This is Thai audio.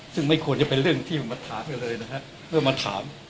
ซึ่งไม่ควรจะไปเรื่องที่มาถามเลยนะครับ